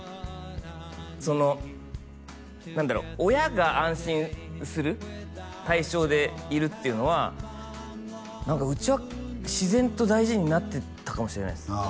その何だろう親が安心する対象でいるっていうのは何かウチは自然と大事になっていったかもしれないです